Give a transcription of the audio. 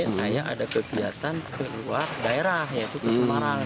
saya ada kegiatan keluar daerah yaitu di semarang